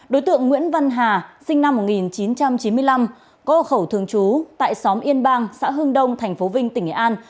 đối tượng nguyễn văn hà sinh năm một nghìn chín trăm chín mươi năm có hậu khẩu thường trú tại xóm yên bang xã hưng đông tp vinh tỉnh nghệ an